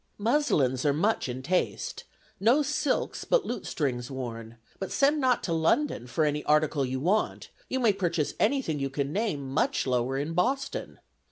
Muslins are much in taste; no silks but lutestrings worn; but send not to London for any article you want; you may purchase any thing you can name much lower in Boston.